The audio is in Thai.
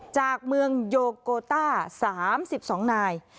จากเมืองโยโกต้า๓๒นาย